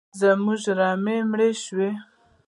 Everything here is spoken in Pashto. زموږ رمې مړي شي